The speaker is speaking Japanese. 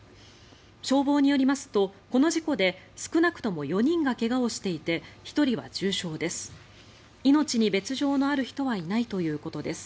消防によりますと、この事故で少なくとも４人が怪我をしていて１人は重傷です。